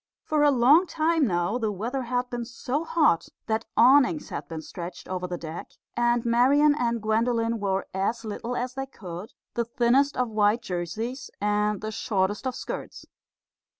For a long time now the weather had been so hot that awnings had been stretched over the deck; and Marian and Gwendolen wore as little as they could the thinnest of white jerseys and the shortest of skirts.